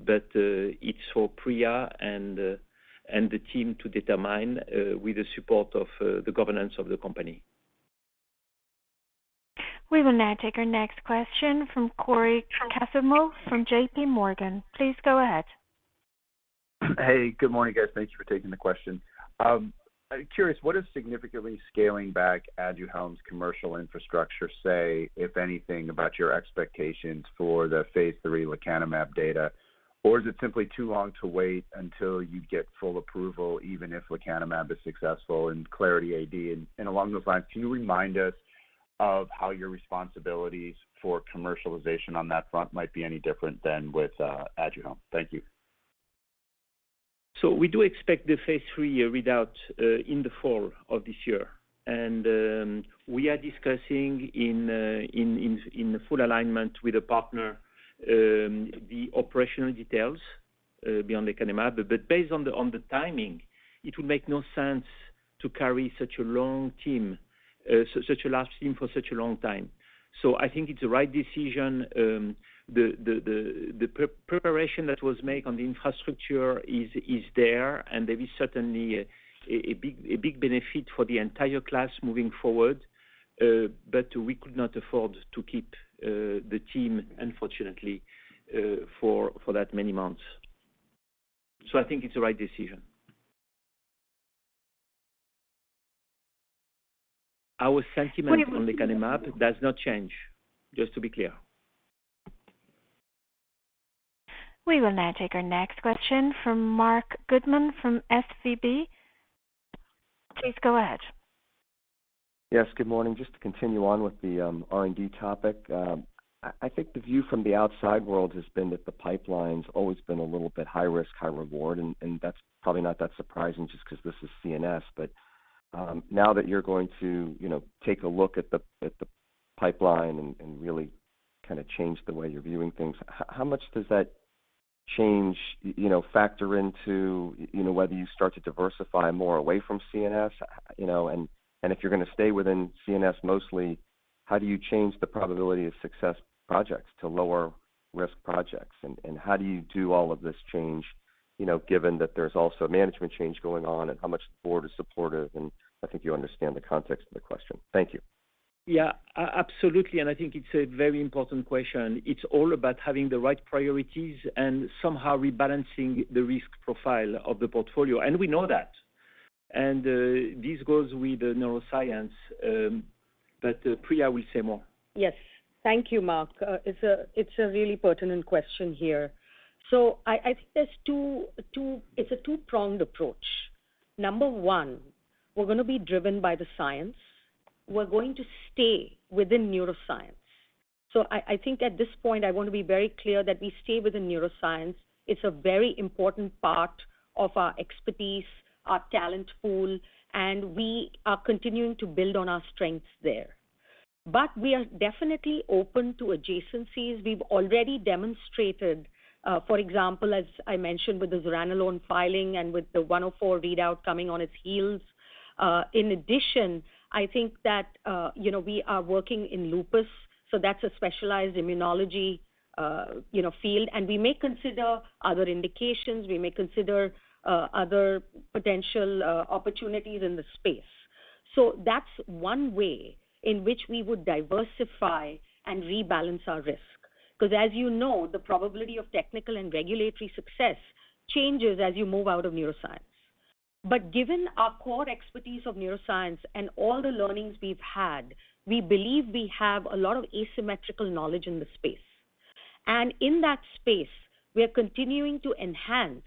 others. It's for Priya and the team to determine with the support of the governance of the company. We will now take our next question from Cory Kasimov from J.P. Morgan. Please go ahead. Hey, good morning, guys. Thank you for taking the question. I'm curious, what is significantly scaling back Aduhelm's commercial infrastructure, say, if anything, about your expectations for the phase 3 lecanemab data? Or is it simply too long to wait until you get full approval, even if lecanemab is successful in Clarity AD? Along those lines, can you remind us of how your responsibilities for commercialization on that front might be any different than with Aduhelm? Thank you. We do expect the phase 3 readout in the fall of this year. We are discussing, in full alignment with a partner, the operational details beyond lecanemab. Based on the timing, it would make no sense to carry such a large team for such a long time. I think it's the right decision. The preparation that was made on the infrastructure is there, and there is certainly a big benefit for the entire class moving forward, but we could not afford to keep the team, unfortunately, for that many months. I think it's the right decision. Our sentiment on lecanemab does not change, just to be clear. We will now take our next question from Marc Goodman from SVB. Please go ahead. Yes, good morning. Just to continue on with the R&D topic. I think the view from the outside world has been that the pipeline's always been a little bit high risk, high reward, and that's probably not that surprising just 'cause this is CNS. Now that you're going to take a look at the pipeline and really kinda change the way you're viewing things, how much does that change factor into whether you start to diversify more away from CNS? You know, and if you're gonna stay within CNS mostly, how do you change the probability of success projects to lower risk projects? How do you do all of this change given that there's also management change going on and how much the board is supportive? I think you understand the context of the question. Thank you. Yeah, absolutely, and I think it's a very important question. It's all about having the right priorities and somehow rebalancing the risk profile of the portfolio. We know that. This goes with neuroscience, but Priya will say more. Yes. Thank you, Marc. It's a really pertinent question here. I think it's a two-pronged approach. Number one, we're gonna be driven by the science. We're going to stay within neuroscience. I think at this point, I wanna be very clear that we stay within neuroscience. It's a very important part of our expertise, our talent pool, and we are continuing to build on our strengths there. We are definitely open to adjacencies. We've already demonstrated, for example, as I mentioned, with the zuranolone filing and with the 104 readout coming on its heels. In addition, I think that, you know, we are working in lupus, so that's a specialized immunology, you know, field, and we may consider other indications. We may consider other potential opportunities in the space. That's one way in which we would diversify and rebalance our risk 'cause as you know, the probability of technical and regulatory success changes as you move out of neuroscience. Given our core expertise of neuroscience and all the learnings we've had, we believe we have a lot of asymmetrical knowledge in the space. In that space, we are continuing to enhance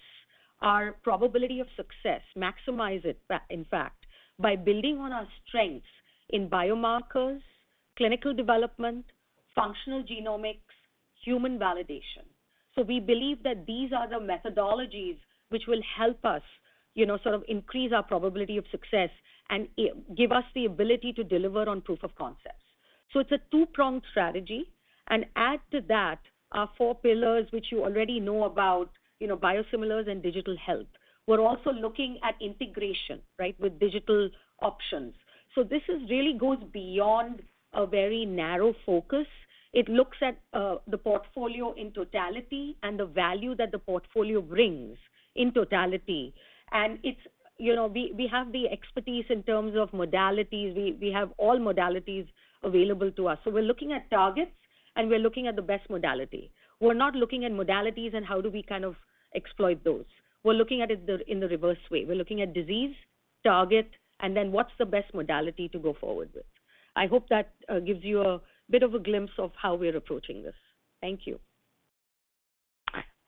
our probability of success, maximize it, but in fact, by building on our strengths in biomarkers, clinical development, functional genomics, human validation. We believe that these are the methodologies which will help us, you know, sort of increase our probability of success and give us the ability to deliver on proof of concepts. It's a two-pronged strategy, and add to that our four pillars, which you already know about, you know, biosimilars and digital health. We're also looking at integration, right, with digital options. This really goes beyond a very narrow focus. It looks at the portfolio in totality and the value that the portfolio brings in totality. It's, you know, we have the expertise in terms of modalities. We have all modalities available to us. We're looking at targets, and we're looking at the best modality. We're not looking at modalities and how do we kind of exploit those. We're looking at it in the reverse way. We're looking at disease target and then what's the best modality to go forward with. I hope that gives you a bit of a glimpse of how we're approaching this. Thank you.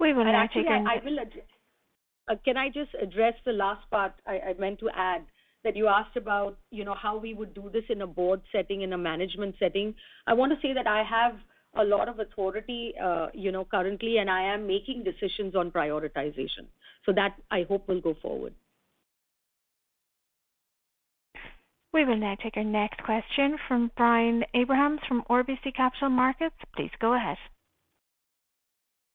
We will now take our. Actually, I will add. Can I just address the last part I meant to add that you asked about, you know, how we would do this in a board setting, in a management setting. I want to say that I have a lot of authority, you know, currently, and I am making decisions on prioritization. That, I hope, will go forward. We will now take our next question from Brian Abrahams from RBC Capital Markets. Please go ahead.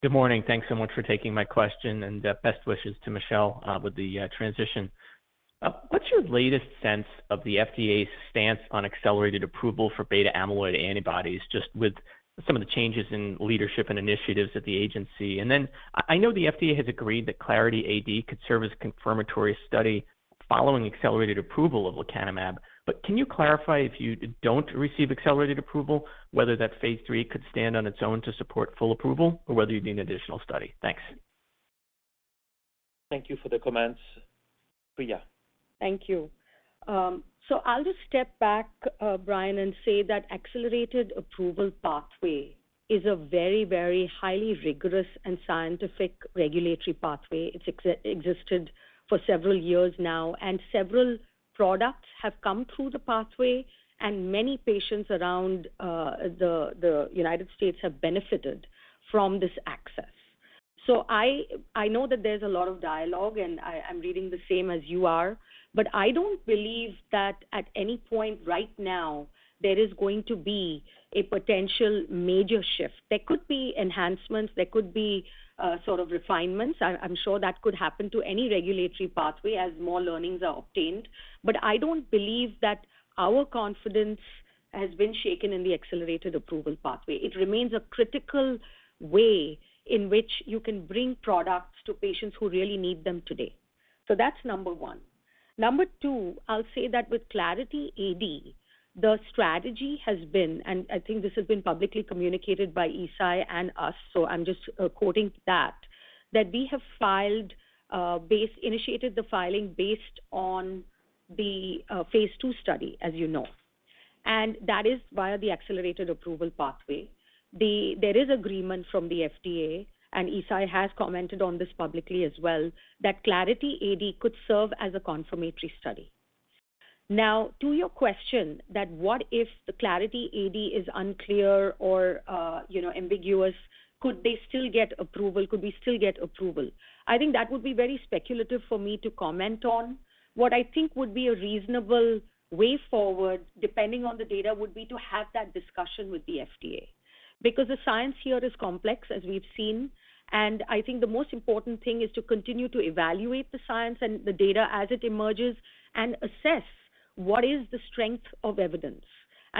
Good morning. Thanks so much for taking my question and best wishes to Michel with the transition. What's your latest sense of the FDA stance on accelerated approval for beta amyloid antibodies, just with some of the changes in leadership and initiatives at the agency? I know the FDA has agreed that Clarity AD could serve as confirmatory study following accelerated approval of lecanemab, but can you clarify if you don't receive accelerated approval, whether that phase 3 could stand on its own to support full approval or whether you'd need an additional study? Thanks. Thank you for the comments. Priya. Thank you. I'll just step back, Brian, and say that Accelerated Approval Pathway is a very, very highly rigorous and scientific regulatory pathway. It's existed for several years now, and several products have come through the pathway, and many patients around the United States have benefited from this access. I know that there's a lot of dialogue, and I'm reading the same as you are, but I don't believe that at any point right now there is going to be a potential major shift. There could be enhancements, there could be sort of refinements. I'm sure that could happen to any regulatory pathway as more learnings are obtained. I don't believe that our confidence has been shaken in the Accelerated Approval Pathway. It remains a critical way in which you can bring products to patients who really need them today. That's number 1. Number 2, I'll say that with Clarity AD, the strategy has been, and I think this has been publicly communicated by Eisai and us, so I'm just quoting that we have initiated the filing based on the phase 2 study, as you know. That is via the Accelerated Approval Pathway. There is agreement from the FDA, and Eisai has commented on this publicly as well, that Clarity AD could serve as a confirmatory study. Now to your question that what if the Clarity AD is unclear or ambiguous, could they still get approval? Could we still get approval? I think that would be very speculative for me to comment on. What I think would be a reasonable way forward, depending on the data, would be to have that discussion with the FDA. Because the science here is complex, as we've seen, and I think the most important thing is to continue to evaluate the science and the data as it emerges and assess what is the strength of evidence.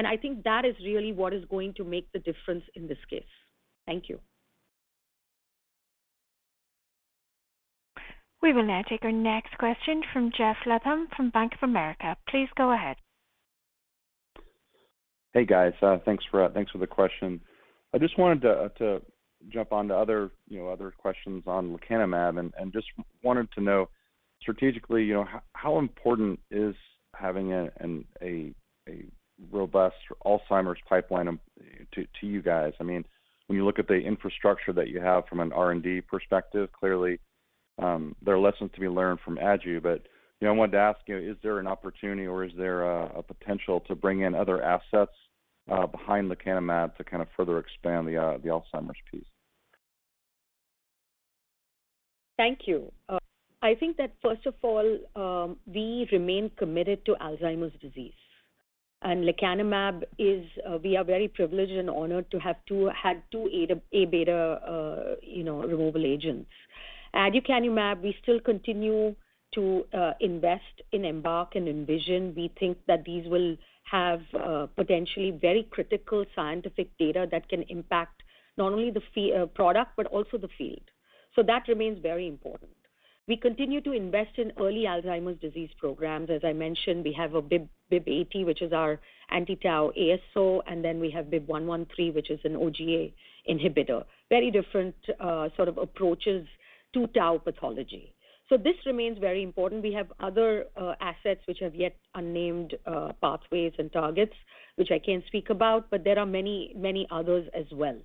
I think that is really what is going to make the difference in this case. Thank you. We will now take our next question from Geoff Meacham from Bank of America. Please go ahead. Hey, guys. Thanks for the question. I just wanted to jump on to other questions on lecanemab and just wanted to know strategically how important is having a robust Alzheimer's pipeline to you guys? I mean, when you look at the infrastructure that you have from an R&D perspective, clearly there are lessons to be learned from Aduhelm, but you know, I wanted to ask you, is there an opportunity or is there a potential to bring in other assets behind lecanemab to kind of further expand the Alzheimer's piece? Thank you. I think that first of all, we remain committed to Alzheimer's disease. Lecanemab is, we are very privileged and honored to have had two A beta you know removal agents. Aducanumab, we still continue to invest in EMBARK and ENVISION. We think that these will have potentially very critical scientific data that can impact not only our product, but also the field. That remains very important. We continue to invest in early Alzheimer's disease programs. As I mentioned, we have BIIB080, which is our anti-tau ASO, and then we have BIIB113, which is an OGA inhibitor. Very different sort of approaches to tau pathology. This remains very important. We have other assets which have yet unnamed pathways and targets, which I can't speak about, but there are many, many others as well.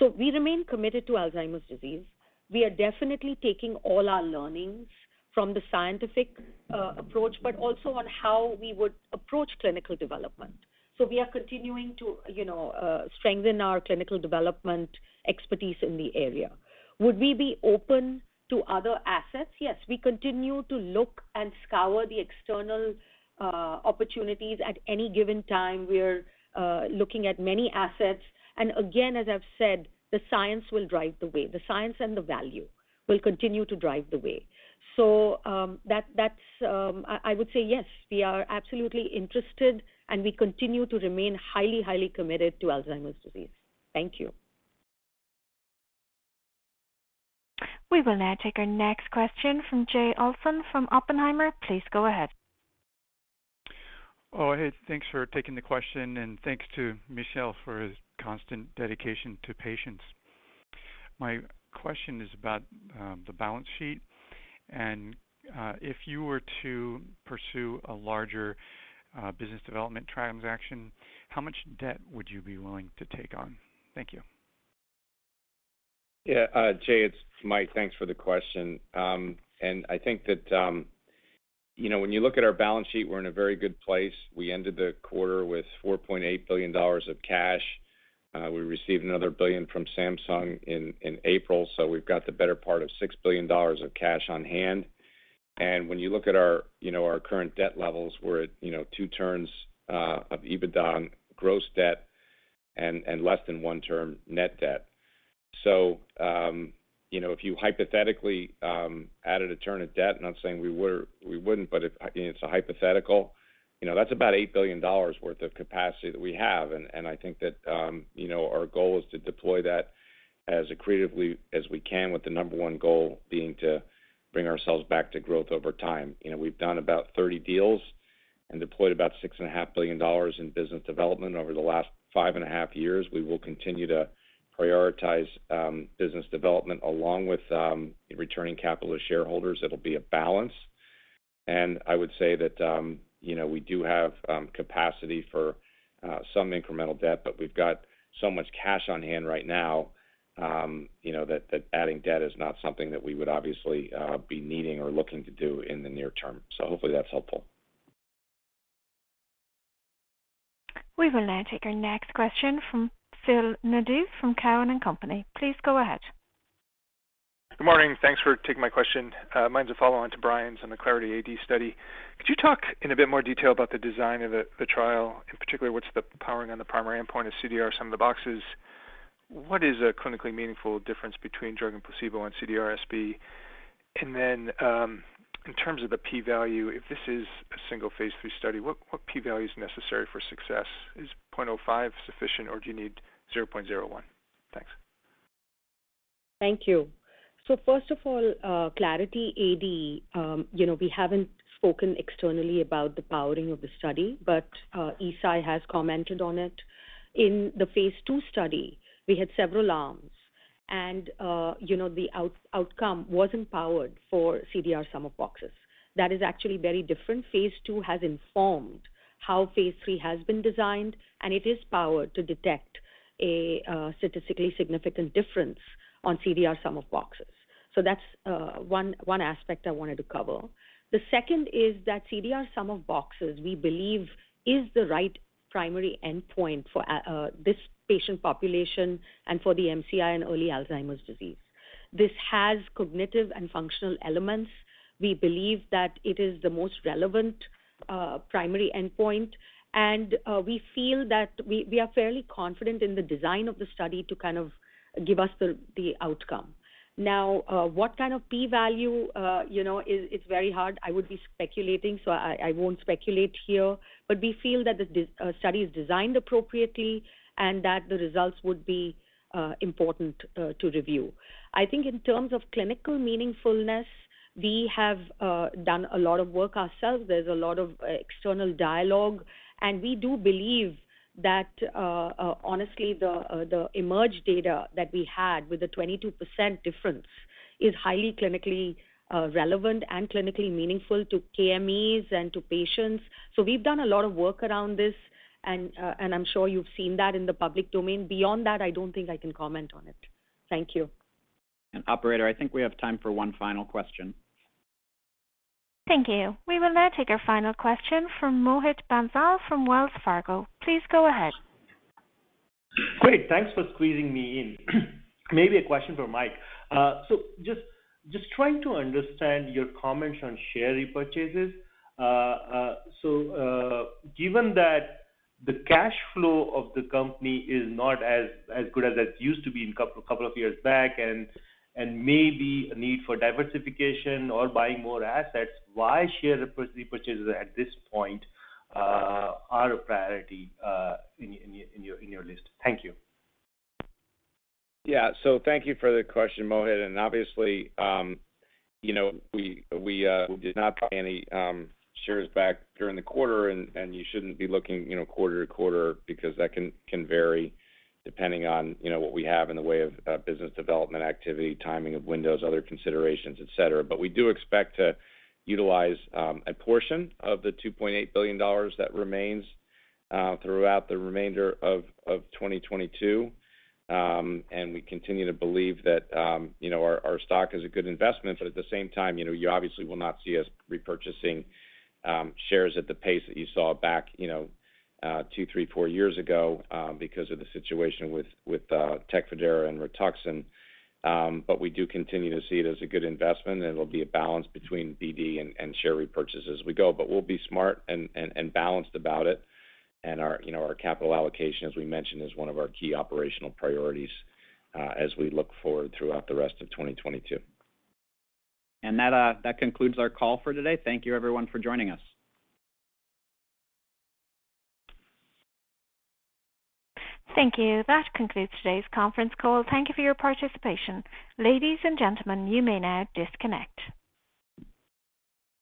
We remain committed to Alzheimer's disease. We are definitely taking all our learnings from the scientific approach, but also on how we would approach clinical development. We are continuing to strengthen our clinical development expertise in the area. Would we be open to other assets? Yes, we continue to look and scour the external opportunities. At any given time, we're looking at many assets. Again, as I've said, the science will drive the way. The science and the value will continue to drive the way. I would say yes, we are absolutely interested, and we continue to remain highly committed to Alzheimer's disease. Thank you. We will now take our next question from Jay Olson from Oppenheimer. Please go ahead. Oh, hey, thanks for taking the question, and thanks to Michel for his constant dedication to patients. My question is about the balance sheet. If you were to pursue a larger business development transaction, how much debt would you be willing to take on? Thank you. Yeah, Jay, it's Mike. Thanks for the question. I think that, you know, when you look at our balance sheet, we're in a very good place. We ended the quarter with $4.8 billion of cash. We received another $1 billion from Samsung in April, so we've got the better part of $6 billion of cash on hand. When you look at our, you know, our current debt levels, we're at, you know, 2 turns of EBITDA on gross debt and less than 1 turn net debt. If you hypothetically added a turn of debt, not saying we would or we wouldn't, but I mean, it's a hypothetical, you know, that's about $8 billion worth of capacity that we have. I think that, you know, our goal is to deploy that as creatively as we can with the number one goal being to bring ourselves back to growth over time. You know, we've done about 30 deals and deployed about $6.5 billion in business development over the last 5.5 years. We will continue to prioritize business development along with returning capital to shareholders. It'll be a balance. I would say that, you know, we do have capacity for some incremental debt, but we've got so much cash on hand right now, you know, that adding debt is not something that we would obviously be needing or looking to do in the near term. Hopefully that's helpful. We will now take our next question from Phil Nadeau from TD Cowen. Please go ahead. Good morning. Thanks for taking my question. Mine's a follow-on to Brian's on the Clarity AD study. Could you talk in a bit more detail about the design of the trial, in particular what's the powering on the primary endpoint of CDR sum of the boxes? What is a clinically meaningful difference between drug and placebo on CDR-SB? And then, in terms of the P value, if this is a single phase 3 study, what P value is necessary for success? Is 0.05 sufficient or do you need 0.01? Thanks. Thank you. First of all, Clarity AD, you know, we haven't spoken externally about the powering of the study, but Eisai has commented on it. In the phase two study, we had several arms and, you know, the outcome wasn't powered for CDR Sum of Boxes. That is actually very different. Phase two has informed how phase three has been designed, and it is powered to detect a statistically significant difference on CDR Sum of Boxes. That's one aspect I wanted to cover. The second is that CDR Sum of Boxes, we believe is the right primary endpoint for this patient population and for the MCI and early Alzheimer's disease. This has cognitive and functional elements. We believe that it is the most relevant primary endpoint, and we feel that we are fairly confident in the design of the study to give us the outcome. Now, what kind of P value, you know, is, it's very hard. I would be speculating, so I won't speculate here. But we feel that the study is designed appropriately and that the results would be important to review. I think in terms of clinical meaningfulness, we have done a lot of work ourselves. There's a lot of external dialogue, and we do believe that, honestly, the EMERGE data that we had with the 22% difference is highly clinically relevant and clinically meaningful to KOLs and to patients. We've done a lot of work around this and I'm sure you've seen that in the public domain. Beyond that, I don't think I can comment on it. Thank you. Operator, I think we have time for one final question. Thank you. We will now take our final question from Mohit Bansal from Wells Fargo. Please go ahead. Great. Thanks for squeezing me in. Maybe a question for Mike. So just trying to understand your comments on share repurchases. Given that the cash flow of the company is not as good as it used to be in a couple of years back and maybe a need for diversification or buying more assets, why share repurchases at this point are a priority in your list? Thank you. Yeah. Thank you for the question, Mohit. Obviously, you know, we did not buy any shares back during the quarter, and you shouldn't be looking, you know, quarter to quarter because that can vary depending on, you know, what we have in the way of business development activity, timing of windows, other considerations, et cetera. We do expect to utilize a portion of the $2.8 billion that remains throughout the remainder of 2022. We continue to believe that, you know, our stock is a good investment, but at the same time, you know, you obviously will not see us repurchasing shares at the pace that you saw back, you know, two, three, four years ago, because of the situation with Tecfidera and Rituxan. We do continue to see it as a good investment, and it'll be a balance between BD and share repurchases as we go. We'll be smart and balanced about it. Our, you know, capital allocation, as we mentioned, is one of our key operational priorities, as we look forward throughout the rest of 2022. That concludes our call for today. Thank you everyone for joining us. Thank you. That concludes today's conference call. Thank you for your participation. Ladies and gentlemen, you may now disconnect.